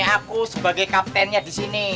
aku sebagai kaptennya disini